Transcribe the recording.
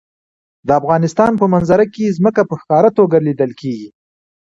د افغانستان په منظره کې ځمکه په ښکاره توګه لیدل کېږي.